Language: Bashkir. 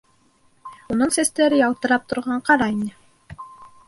Уның сәстәре ялтырап торған ҡара ине.